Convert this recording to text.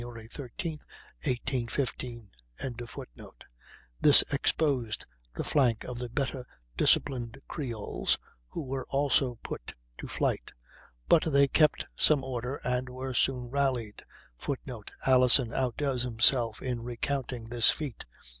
13, 1815.] This exposed the flank of the better disciplined creoles, who were also put to flight; but they kept some order and were soon rallied. [Footnote: Alison outdoes himself in recounting this feat.